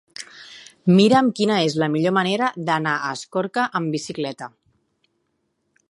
Mira'm quina és la millor manera d'anar a Escorca amb bicicleta.